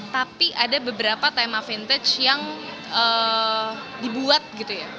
tapi ada beberapa tema vintage yang dibuat gitu ya